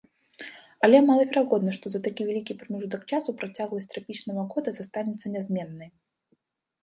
Але малаверагодна, што за такі вялікі прамежак часу працягласць трапічнага года застанецца нязменнай.